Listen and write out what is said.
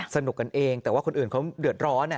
สนุกกันเองแต่ว่าคนอื่นเขาเดือดร้อน